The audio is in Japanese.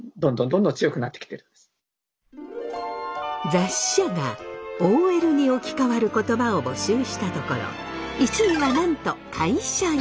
雑誌社がＯＬに置き換わる言葉を募集したところ１位はなんと会社員。